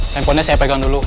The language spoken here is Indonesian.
teleponnya saya pegang dulu